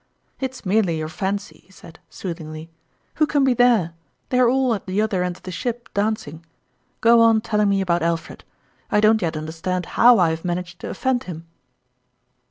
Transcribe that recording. " It's merely your fancy," he said, soothing ly. " Who can be there ? They are all at the other end of the ship, dancing. Go on telling me about Alfred. I don't yet understand how I have managed to offend him."